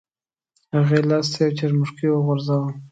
هغې لاس ته یو څرمښکۍ وغورځاوه.